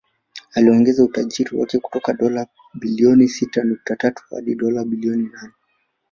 Aliongeza utajiri wake kutoka dola bilioni sita nukta tatu hadi dola bilioni nane